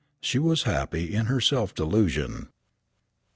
She was happy in her self delusion.